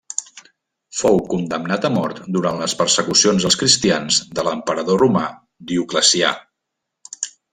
Fou condemnat a mort durant les persecucions als cristians de l'emperador romà Dioclecià.